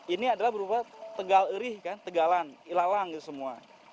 ini adalah berupa tegal irih kan tegalan ilalang gitu semua